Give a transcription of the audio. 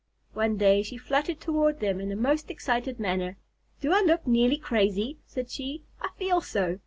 One day she fluttered toward them in a most excited manner. "Do I look nearly crazy?" said she. "I feel so.